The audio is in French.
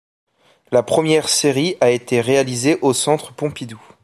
La première série a été réalisée au Centre Pompidou.